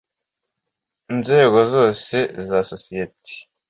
nzego zose za sosiyete